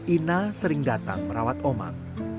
ina sering datang merawat omang